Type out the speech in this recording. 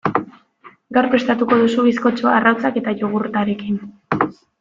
Gaur prestatuko duzu bizkotxoa arrautzak eta jogurtarekin.